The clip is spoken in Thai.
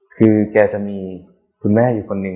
คือแกจะมีคุณแม่อยู่คนหนึ่ง